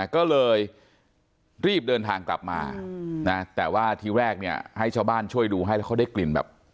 ก็เลยรีบเดินทางกลับมานะแต่ว่าทีแรกเนี่ยให้ชาวบ้านช่วยดูให้แล้วเขาได้กลิ่นแบบ